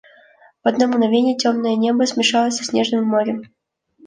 В одно мгновение темное небо смешалось со снежным морем.